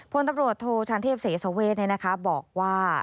ผู้บัญชาการโทรชาญเทพเศษเวทบอกว่า